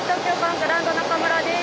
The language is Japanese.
グランド中村です。